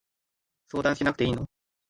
相談しなくていいの？